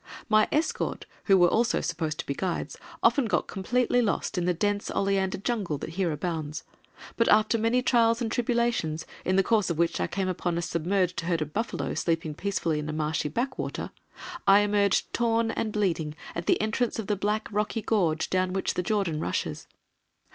My escort (who were also supposed to be guides) often got completely lost in the dense oleander jungle that here abounds, but after many trials and tribulations, in the course of which I came upon a submerged herd of buffalo sleeping peacefully in a marshy backwater, I emerged torn and bleeding at the entrance of the black rocky gorge down which the Jordan rushes.